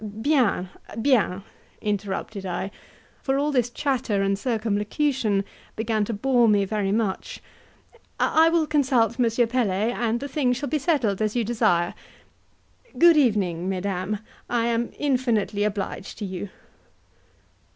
"Bien! bien!" interrupted I for all this chatter and circumlocution began to bore me very much; "I will consult M. Pelet, and the thing shall be settled as you desire. Good evening, mesdames I am infinitely obliged to you."